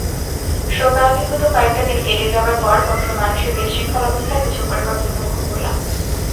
শোকাভিভূত কয়েকটা দিন কেটে যাবার পর বন্ধুর মানসিক বিশৃঙ্খল অবস্থার কিছু পরিবর্তন লক্ষ করলাম।